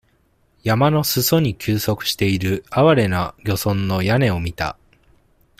山の裾に休息している、憐れな漁村の屋根を見た。